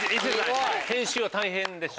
編集は大変でしたか？